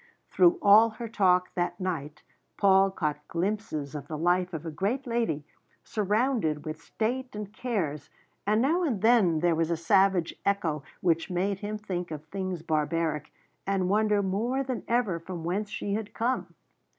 Through all her talk that night Paul caught glimpses of the life of a great lady, surrounded with state and cares, and now and then there was a savage echo which made him think of things barbaric, and wonder more than ever from whence she had come.